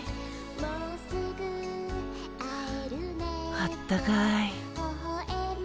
あったかい。